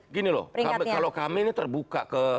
gini loh kalau kami ini terbuka ke